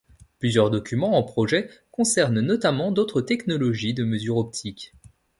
Plusieurs documents en projet concernent notamment d'autres technologies de mesure optique.